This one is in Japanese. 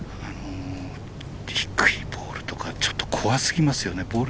低いボールとかちょっと怖すぎますよね。